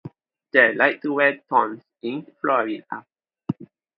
They like to wear thongs in Florida.